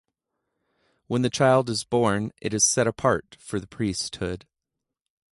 When the child is born, it is set apart for the priesthood.